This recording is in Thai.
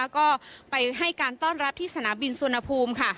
ก็ไปให้การต้อนรับที่สนามบินสุวรรณภูมิค่ะ